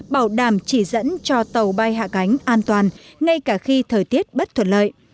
bảo đảm chỉ dẫn cho tàu bay hạ cánh an toàn ngay cả khi thời tiết bất thuận lợi